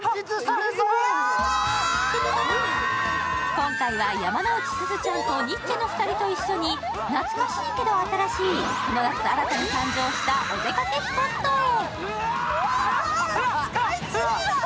今回は山之内すずちゃんとニッチェのお二人と懐かしいけど新しい、この夏新たに誕生したお出かけスポットへ。